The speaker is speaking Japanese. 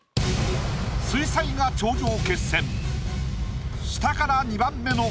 水彩画頂上決戦。